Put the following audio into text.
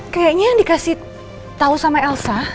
kayaknya yang dikasih tahu sama elsa